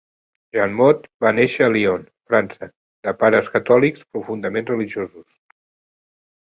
Janmot va néixer a Lyon, França, de pares catòlics profundament religiosos.